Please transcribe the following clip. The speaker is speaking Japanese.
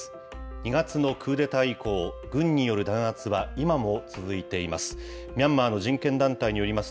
２月のクーデター以降、軍による弾圧は今も続いています。